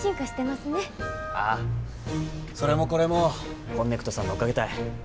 それもこれもこんねくとさんのおかげたい。